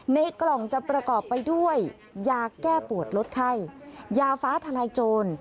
ในกล่องจะประกอบไปด้วยยาแก้ปวดลดไข้ยาฟ้าทลายโจร